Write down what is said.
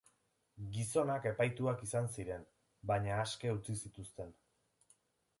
Gizonak epaituak izan ziren, baina aske utzi zituzten.